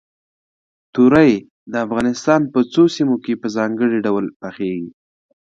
تورۍ د افغانستان په څو سیمو کې په ځانګړي ډول پخېږي.